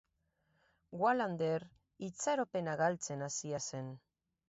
Wallander itxaropena galtzen hasia zen.